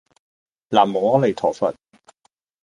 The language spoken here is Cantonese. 喃嘸阿彌陀佛